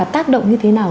tác động như thế nào